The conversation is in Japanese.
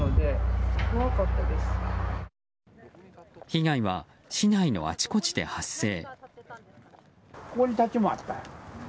被害は市内のあちこちで発生。